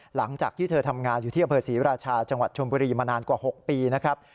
หลังจากที่เธอทำงานอยู่ที่อำเภอศรีราชาจังหวัดชมบุรีมานานกว่า๖ปีนะครับ